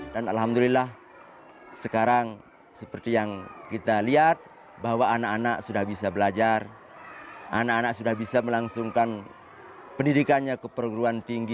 dan alhamdulillah sekarang seperti yang kita lihat bahwa anak anak sudah bisa belajar anak anak sudah bisa melangsungkan pendidikannya ke perguruan tinggi